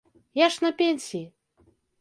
Я ж на пенсіі.